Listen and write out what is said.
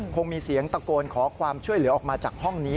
คงมีเสียงตะโกนขอความช่วยเหลือออกมาจากห้องนี้